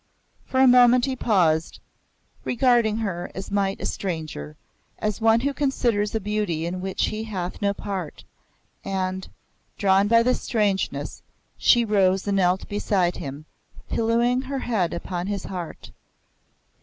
For a moment he paused, regarding her as might a stranger, as one who considers a beauty in which he hath no part; and, drawn by this strangeness, she rose and knelt beside him, pillowing her head upon his heart.